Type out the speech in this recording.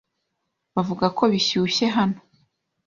Bavuga ko bishyushye hano.